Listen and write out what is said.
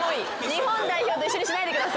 日本代表と一緒にしないでください。